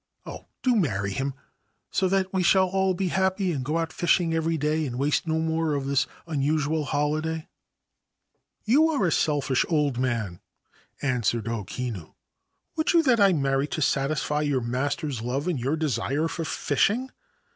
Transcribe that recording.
Oh, do marry him, so that we shall all be happy and go out fishing every day and waste no more of this unusual holiday/ 'You are a selfish old man/ answered O Kinu. 'Would you that I married to satisfy your master's love and your desire for fishing